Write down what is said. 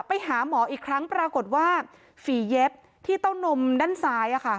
ไปหาหมออีกครั้งปรากฏว่าฝีเย็บที่เต้านมด้านซ้าย